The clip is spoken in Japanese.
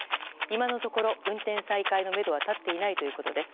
今のところ運転再開のめどは立っていないということです。